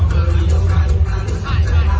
แกก็คอยหล่อคอยเจ้า